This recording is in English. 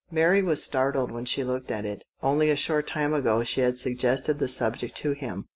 Mary was startled when she looked at it. Only a short time ago she had suggested the subject to him.